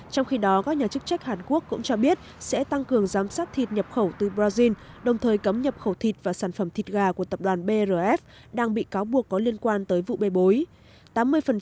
trong khi đó các nhà chức trách hàn quốc cũng cho biết sẽ tăng cường giám sát thịt nhập khẩu từ brazil đồng thời cấm nhập khẩu thịt và sản phẩm thịt gà của tập đoàn brf đang bị cáo buộc có liên quan tới vụ bê bối